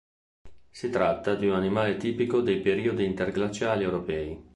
Si tratta di un animale tipico dei periodi interglaciali europei.